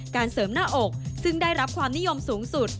การเสริมหน้าอกซึ่งได้รับความนิยมสูงสุด